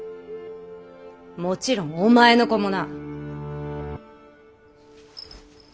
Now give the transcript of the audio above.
もちろんお前の子もな！